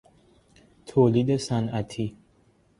تولید صنعتی